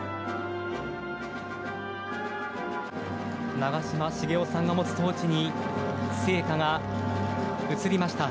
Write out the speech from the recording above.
長嶋茂雄さんが持つトーチに聖火が移りました。